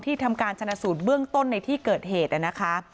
ทำการชนะสูตรเบื้องต้นในที่เกิดเหตุนะคะ